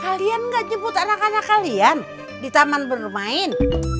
kalian nggak nyebut anak anak kalian di taman bermain